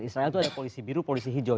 israel itu ada polisi biru polisi hijau